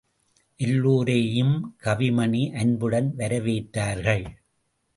எல்லோரையும் கவிமணி அன்புடன் வரவேற்றார்கள்.